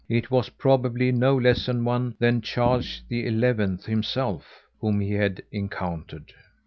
It was probably no less an one than Charles the Eleventh himself, whom he had encountered.